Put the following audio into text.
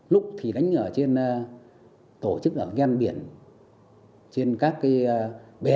lúc thì đánh ở trên tổ chức ở ghen biển trên các bè các hòn núi đất trên biển